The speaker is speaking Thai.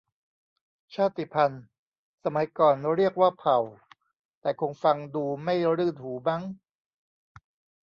ชาติพันธุ์ สมัยก่อนเรียกว่าเผ่า แต่คงฟังดูไม่รื่นหูมั้ง